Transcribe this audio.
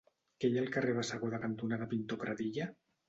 Què hi ha al carrer Bassegoda cantonada Pintor Pradilla?